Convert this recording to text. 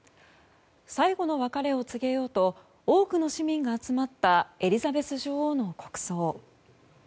最後の別れを告げようと多くの市民が集まったエリザベス女王の国葬。